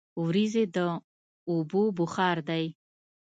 وریځې د اوبو بخار دي.